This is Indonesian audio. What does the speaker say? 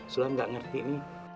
sulam gak ngerti nih